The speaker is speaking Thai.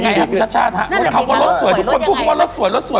รสสวยทุกคนพูดได้ว่ารสสวยรสสวย